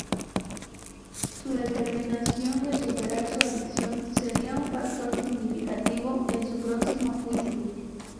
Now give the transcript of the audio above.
Su determinación de superar su adicción sería un factor significativo en su próximo juicio.